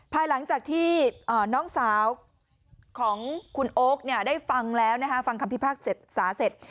ภายหลังจากที่น้องสาวของคุณโอ๊คได้ฟังแล้วฟังคำพิพากษาเสร็จ